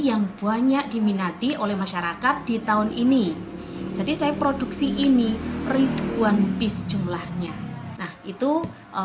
yang banyak diminati oleh masyarakat di tahun ini jadi saya produksi ini ribuan piece jumlahnya nah itu adalah produk yang sangat berharga